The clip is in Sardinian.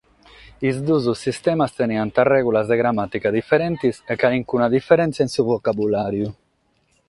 Sos duos sistemas teniant règulas de gramàtica diferentes e carchi diferèntzia in su vocabulàriu.